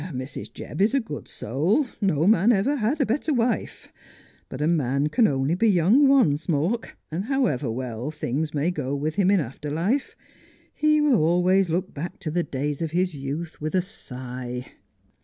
' Mrs. Jebb is a good soul — no man ever had a better wife. But a man can only be young once, Mawk, and however well things may go with him in after life, he will always look back to the days of his youth with a sigh.'